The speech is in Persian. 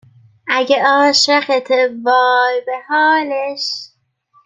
اگه عاشقته وای به حالش